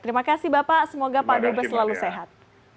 terima kasih bapak semoga pak dubes selalu sehat